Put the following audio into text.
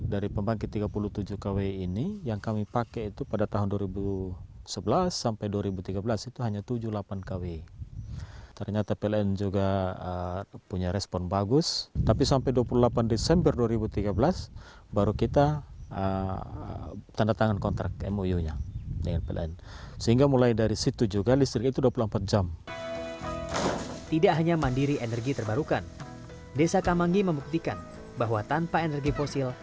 dari pembangkit tiga puluh tujuh kilowatt kita bangun komunikasi dengan pln